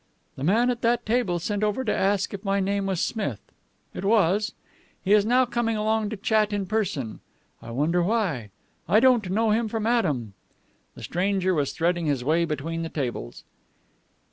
"The man at that table sent over to ask if my name was Smith. It was. He is now coming along to chat in person. I wonder why. I don't know him from Adam." The stranger was threading his way between the tables.